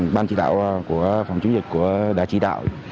ban chỉ đạo của phòng chống dịch đã chỉ đạo